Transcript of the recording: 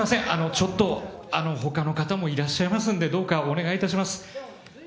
ちょっと、ほかの方もいらっしゃいますんで、どうかお願いいたします。